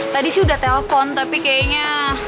tadi sih udah telpon tapi kayaknya